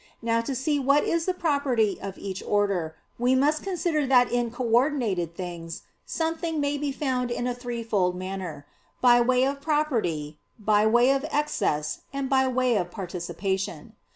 Now to see what is the property of each order, we must consider that in coordinated things, something may be found in a threefold manner: by way of property, by way of excess, and by way of participation.